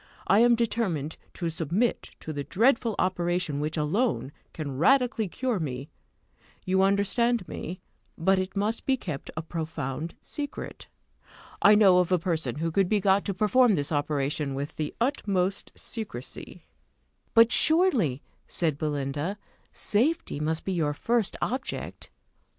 I am determined to submit to the dreadful operation which alone can radically cure me you understand me; but it must be kept a profound secret. I know of a person who could be got to perform this operation with the utmost secrecy." "But, surely," said Belinda, "safety must be your first object!"